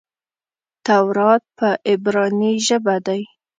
تورات په عبراني ژبه دئ.